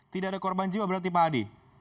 tidak ada korban jiwa berarti pak adi